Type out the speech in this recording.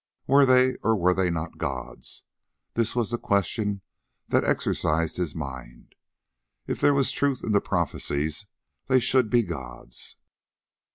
Were they or were they not gods? This was the question that exercised his mind. If there was truth in prophesies they should be gods.